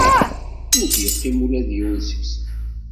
Ur d-iqqim ula d yiwen seg-sen.